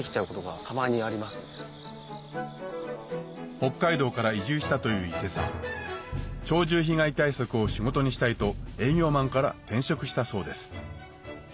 北海道から移住したという伊勢さん鳥獣被害対策を仕事にしたいと営業マンから転職したそうです